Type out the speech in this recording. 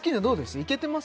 行けてます？